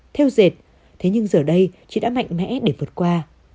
theo dệt thế nhưng giờ đây chị đã mạnh mẽ để vượt qua